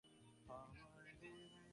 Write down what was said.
এটা আজকে দেখলাম।